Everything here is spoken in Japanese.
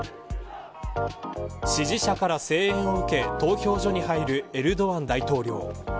支持者から声援を受け投票所に入るエルドアン大統領。